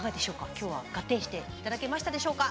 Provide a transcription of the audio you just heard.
今日はガッテンして頂けましたでしょうか？